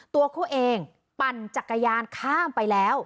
ตัวเขาเองปั่นจักรยานข้ามไปแล้ว